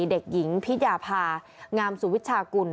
เด็กหญิงพิจาภางามสุวิชากุล